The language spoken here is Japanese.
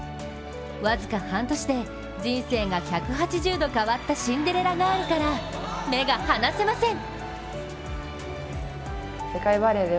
僅か半年で人生が１８０度変わったシンデレラガールから目が離せません。